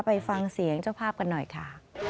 ไปฟังเสียงเจ้าภาพกันหน่อยค่ะ